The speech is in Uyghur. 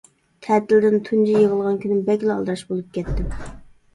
تەتىلدىن تۇنجى يىغىلغان كۈنۈم بەكلا ئالدىراش بولۇپ كەتتىم.